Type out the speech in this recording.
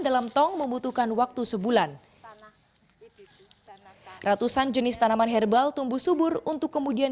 dalam tong membutuhkan waktu sebulan tanah ratusan jenis tanaman herbal tumbuh subur untuk kemudian